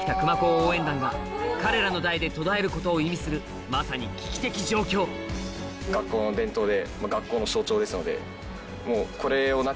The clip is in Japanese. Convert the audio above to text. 応援団が彼らの代で途絶えることを意味するまさに危機的状況と考えていいので。